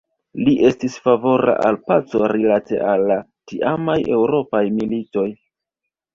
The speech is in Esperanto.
Li estis favora al paco rilate al la tiamaj eŭropaj militoj.